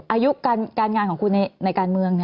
อายุการงานของคุณในการเมือง